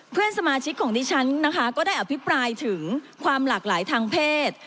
เพื่อนสมาชิกของดิฉันนะคะก็ได้อภิปรายถึงความหลากหลายทางเพศ